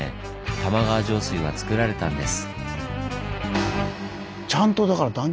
玉川上水はつくられたんです。